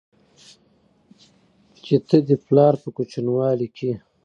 چې ته دې پلار په کوچينوالي کې